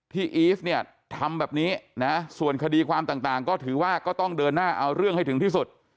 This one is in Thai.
อีฟเนี่ยทำแบบนี้นะส่วนคดีความต่างก็ถือว่าก็ต้องเดินหน้าเอาเรื่องให้ถึงที่สุด